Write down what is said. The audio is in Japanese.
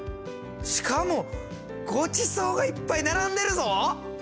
しかもごちそうがいっぱい並んでるぞ！